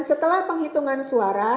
setelah penghitungan suara